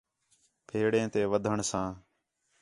پھیڑیں تے ودھݨ ساں